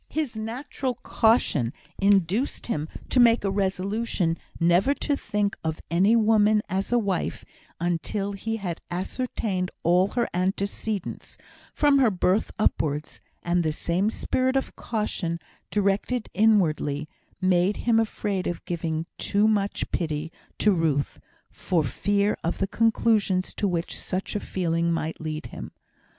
His natural caution induced him to make a resolution never to think of any woman as a wife until he had ascertained all her antecedents, from her birth upwards; and the same spirit of caution, directed inwardly, made him afraid of giving too much pity to Ruth, for fear of the conclusions to which such a feeling might lead him.